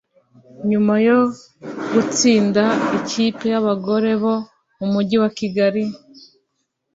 nyuma yo gutsinda ikipe y’abagore bo mu mujyi wa kigali